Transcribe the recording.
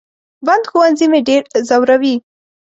بند ښوونځي مې ډېر زوروي